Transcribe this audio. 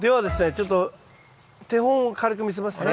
ちょっと手本を軽く見せますね。